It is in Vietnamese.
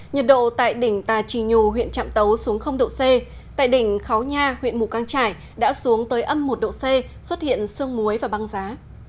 nhiệt độ tại đỉnh tà trì nhu huyện trạm tấu xuống độ c tại đỉnh kháo nha huyện mù căng trải đã xuống tới âm một độ c xuất hiện sương muối và băng giá